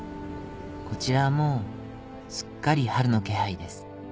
こちらはもうすっかり春の気配です。